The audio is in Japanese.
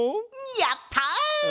やった！